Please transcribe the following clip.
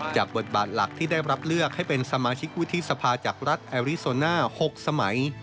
บทบาทหลักที่ได้รับเลือกให้เป็นสมาชิกวุฒิสภาจากรัฐแอริโซน่า๖สมัย